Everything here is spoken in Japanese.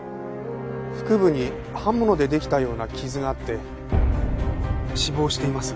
腹部に刃物でできたような傷があって死亡しています。